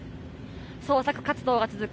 捜索活動が続く